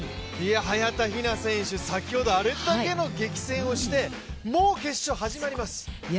早田ひな選手、先ほどあれだけの激戦をして、もう決勝始まります。